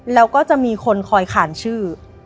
แล้วก็จะมีคนคอยขานชื่อ